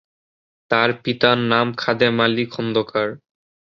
তার পিতার নাম খাদেম আলী খন্দকার।